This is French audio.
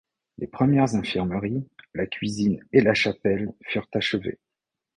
Les premières infirmeries, la cuisine et la chapelle furent achevées.